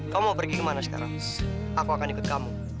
kamu mau pergi kemana sekarang aku akan ikut kamu